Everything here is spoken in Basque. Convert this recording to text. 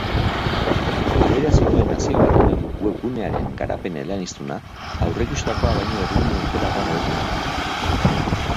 Adierazi zuen Nazio Batuen web gunearen garapen eleaniztuna aurreikusitakoa baino erritmo motelagoan hobetu zela.